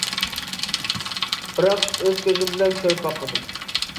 بىراق، ئۆز كۆزۈم بىلەن كۆرۈپ باقمىدىم.